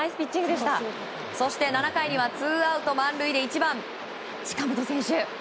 そして、７回にはツーアウト満塁で１番、近本選手。